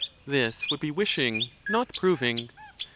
This would be wishing, not proving.